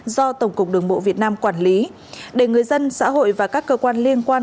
do tổng cục đường bộ việt nam quản lý để người dân xã hội và các cơ quan liên quan